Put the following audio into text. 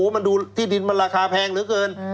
มันดูที่ดินมันราคาแพงเท่านั้นเกิน